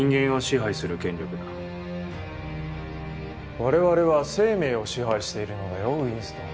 我々は生命を支配しているのだよウィンストン。